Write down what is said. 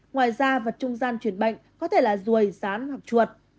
ngoài ra vật trung gian chuyển bệnh có thể là ruồi rán hoặc chuột